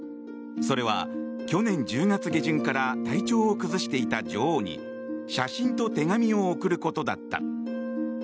それは、去年１０月下旬から体調を崩していた女王に写真と手紙を贈ることだった。